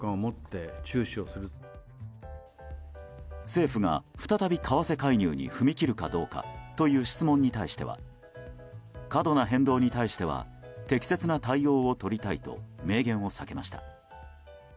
政府が再び為替介入に踏み切るかどうかという質問に対しては過度な変動に対しては適切な対応を取りたいと明言を避けました。